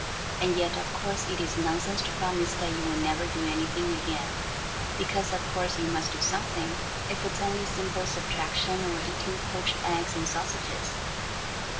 And yet, of course, it is nonsense to promise that you will never do anything again, because, of course, you must do something, if it's only simple subtraction or eating poached eggs and sausages.